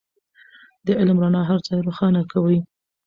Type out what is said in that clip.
د علم رڼا هر ځای روښانه کوي.